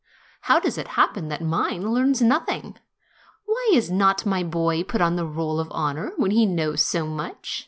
How does it happen that mine learns nothing ? Why is not my boy put on the roll of honor, when he knows so much?